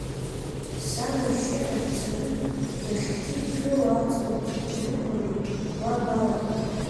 Сан, ашьшьыҳәа бцаны, нахьхьи игылоу аҵла бҩықәланы, уа балатәа.